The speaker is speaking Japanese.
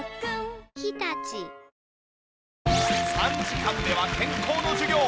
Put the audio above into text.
３時間目は健康の授業。